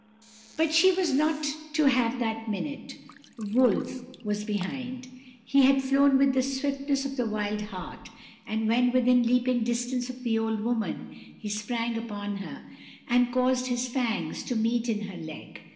"But she was not to have that minute; Wolf was behind; he had flown with the swiftness of the wild hart, and when within leaping distance of the old woman, he sprang upon her, and caused his fangs to meet in her leg.